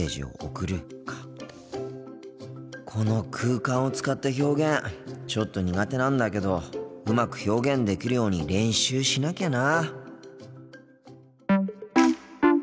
この空間を使った表現ちょっと苦手なんだけどうまく表現できるように練習しなきゃな。